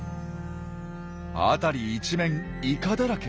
辺り一面イカだらけ！